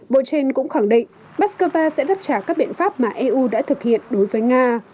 bộ trên cũng khẳng định moscow sẽ đáp trả các biện pháp mà eu đã thực hiện đối với nga